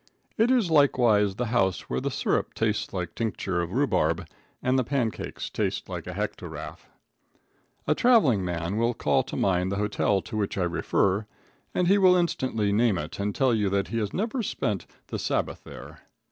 It is likewise the house where the syrup tastes like tincture of rhubarb, and the pancakes taste like a hektograph. The traveling man will call to mind the hotel to which I refer, and he will instantly name it and tell you that he has never spent the Sabbath there.